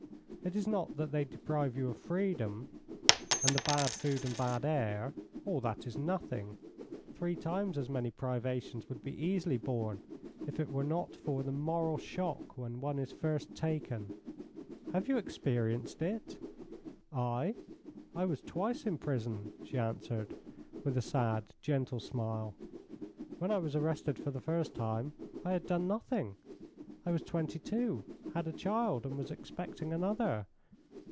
It is not that they deprive you of freedom; and the bad food and bad air all that is nothing. Three times as many privations would be easily borne if it were not for the moral shock when one is first taken." "Have you experienced it?" "I? I was twice in prison," she answered, with a sad, gentle smile. "When I was arrested for the first time I had done nothing. I was 22, had a child, and was expecting another.